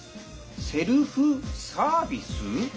セルフサービス？